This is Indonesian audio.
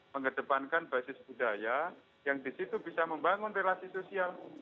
mengedepankan basis budaya yang disitu bisa membangun relasi sosial